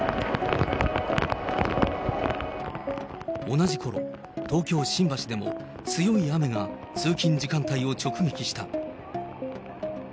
同じころ、東京・新橋でも、強い雨が通勤時間帯を直撃した。